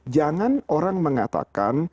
jangan orang mengatakan